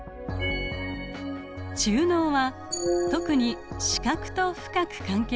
中脳は特に視覚と深く関係している部位です。